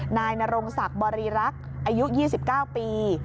นายนรงศักดิ์บริรักษ์อายุ๒๙ปี